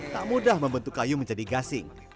tak mudah membentuk kayu menjadi gasing